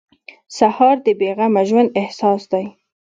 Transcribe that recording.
سهار د بې غمه ژوند احساس دی.